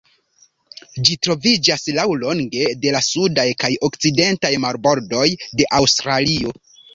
Ĝi troviĝas laŭlonge de la sudaj kaj okcidentaj marbordoj de Aŭstralio.